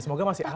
semoga masih ada